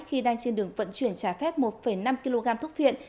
khi đang trên đường vận chuyển trái phép một năm kg thuốc viện